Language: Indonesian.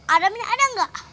ada minyak minyak gak